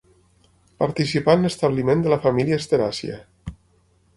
Participà en l'establiment de la família asteràcia.